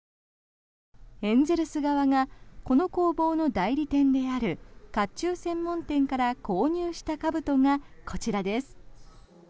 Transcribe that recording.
エンゼルス側がこの工房の代理店である甲冑専門店から購入したかぶとがこちらです。